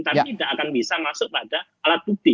karena tidak akan bisa masuk pada alat bukti